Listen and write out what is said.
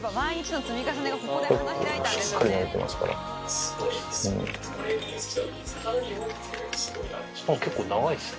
すごいですね。